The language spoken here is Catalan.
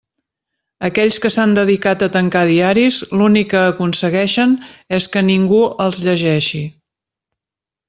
Aquells que s'han dedicat a tancar diaris l'únic que aconsegueixen és que ningú els llegeixi.